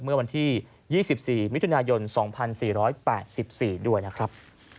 เมื่อวันที่๒๔มิถุนายน๒๔๘๔ด้วยนะครับ